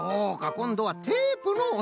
こんどはテープのおなやみか！